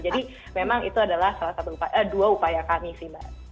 jadi memang itu adalah dua upaya kami sih mbak